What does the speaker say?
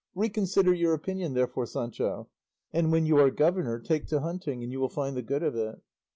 Reconsider your opinion therefore, Sancho, and when you are governor take to hunting, and you will find the good of it."